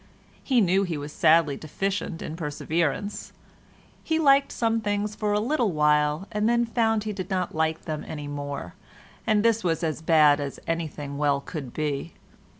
He knew he was sadly deficient in perseverance. He liked some things for a little while, and then found he did not like them any more—and this was as bad as anything well could be.